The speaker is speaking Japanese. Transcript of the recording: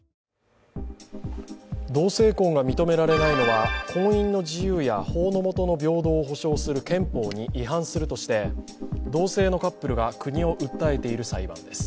同性婚が認められないのは、婚姻の自由や法の下の平等を保障する憲法に違反するとして同性のカップルが国を訴えている裁判です。